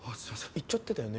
イッちゃってたよね？